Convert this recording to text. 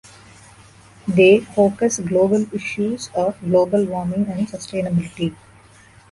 They focus global issues of global warming and sustainability.